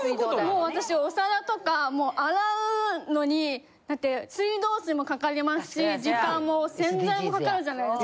もう私お皿とか洗うのにだって水道水もかかりますし時間も洗剤もかかるじゃないですか。